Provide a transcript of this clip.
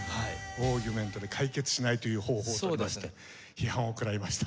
オーギュメントで解決しないという方法をとりまして批判を食らいました。